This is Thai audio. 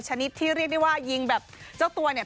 ชนิดที่เรียกได้ว่ายิงแบบเจ้าตัวเนี่ย